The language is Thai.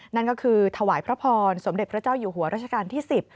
นั่นก็คือถวายพระพรสมเด็จพระเจ้าอยู่หัวราชการที่๑๐